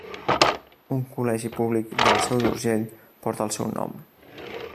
Un col·legi públic de la Seu d'Urgell porta el seu nom.